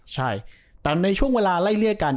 ใช่แต่ในช่วงเวลาไล่เลี่ยกัน